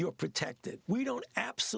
ini berarti anda diperlindungi